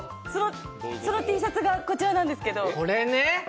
そのＴシャツがこちらなんですけど。